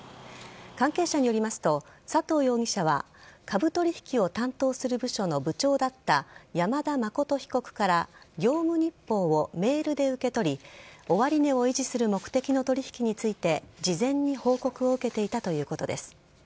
関係者によりますと佐藤容疑者は株取引を担当する部署の部長だった山田誠被告から業務日報をメールで受け取り終値を維持する目的の取引について事前に報告を受けていたということです。